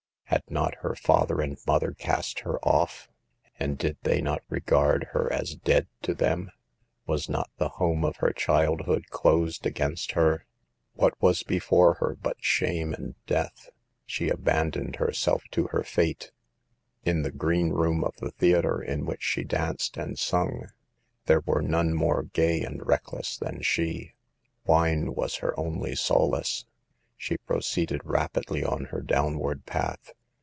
Had not her father and mother cast her off, and did they not regard her as dead to them ? Was not the home of her childhood closed against her? What was before her but shame and death? She abandoned herself to her fate. A 3? ROM REAL LIFE. 25 In the " green room " of the theater in which she danced and sung, there were none more gay and reckless than she. Wine was her only solace. She proceeded rapidly on her downward path.